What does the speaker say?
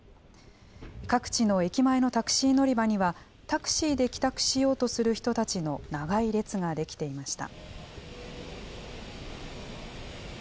各地の駅前のタクシー乗り場には、タクシーで帰宅しようとする人たちの長い列が出来ていました。